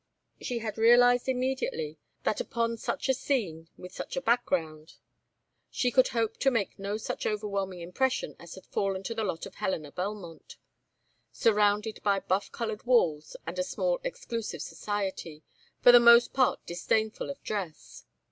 She had realized immediately, that upon such a scene, with such a background, she could hope to make no such overwhelming impression as had fallen to the lot of Helena Belmont; surrounded by buff colored walls and a small exclusive society for the most part disdainful of dress.